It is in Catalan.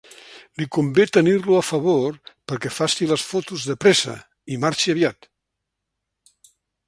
Li convé tenir-lo a favor perquè faci les fotos de pressa i marxi aviat.